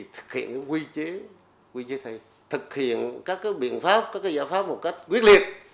thực hiện các quy chế thi thực hiện các biện pháp các giải pháp một cách quyết liệt